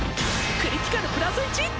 クリティカルプラス１！